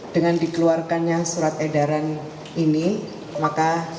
dengan dikongsi dengan kesayangan saya dengan kesayangan saya